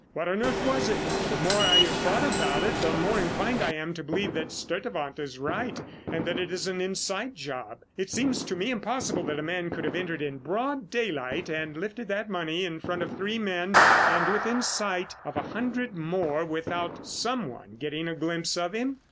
"What on earth was it? The more I have thought about it, the more inclined I am to believe that Sturtevant is right and that it is an inside job. It seems to me impossible that a man could have entered in broad daylight and lifted that money in front of three men and within sight of a hundred more without some one getting a glimpse of him.